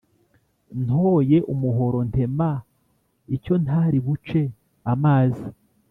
Ntoye umuhoro ntema icyo ntari buce-Amazi.